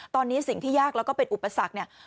ตอนนี้สิ่งที่ยากแล้วก็เป็นอุปสรรคเนี่ย